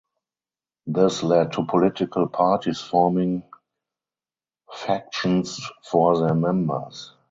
This led to political parties forming factions for their members.